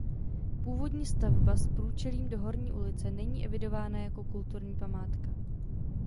Původní stavba s průčelím do Horní ulice není evidována jako kulturní památka.